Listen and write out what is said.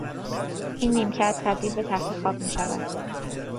این نیمکت تبدیل به تختخواب میشود.